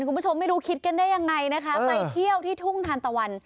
คุณผู้ชมไม่รู้คิดกันได้ยังไงนะคะไปเที่ยวที่ทุ่งทานตะวัน